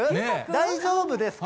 大丈夫ですか？